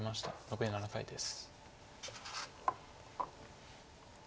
残り７回です。